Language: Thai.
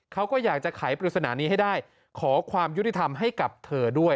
เขาก็อยากจะไขปริศนานี้ให้ได้ขอความยุติธรรมให้กับเธอด้วย